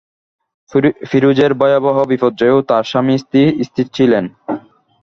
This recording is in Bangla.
ফিরোজের ভয়াবহ বিপর্যয়েও তাঁরা স্বামী-স্ত্রী স্থির ছিলেন।